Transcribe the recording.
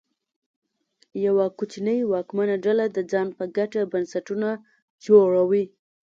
یوه کوچنۍ واکمنه ډله د ځان په ګټه بنسټونه جوړوي.